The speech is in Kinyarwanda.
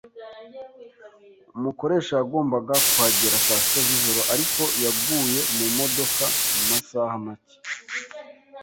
Umukoresha yagombaga kuhagera saa sita zijoro, ariko yaguye mumodoka mumasaha make.